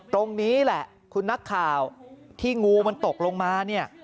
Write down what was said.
ตรงนี้แหละคุณนักข่าวที่งูมันตกลงมาเนี่ย